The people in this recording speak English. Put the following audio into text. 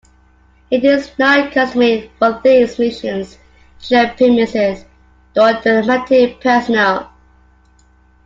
It is not customary for these missions to share premises nor diplomatic personnel.